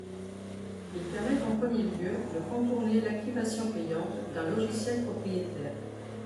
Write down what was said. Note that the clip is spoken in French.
Il permet en premier lieu de contourner l'activation payante d'un logiciel propriétaire.